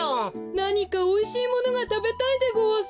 なにかおいしいものがたべたいでごわす。